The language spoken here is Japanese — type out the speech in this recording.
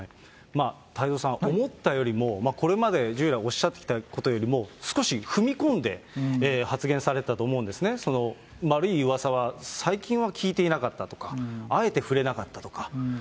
太蔵さん、思ったよりもこれまで従来おっしゃってきたことよりも、少し踏み込んで発言されてたと思うんですね、悪いうわさは、最近は聞いていなかったとか、あえて触れなかったとか。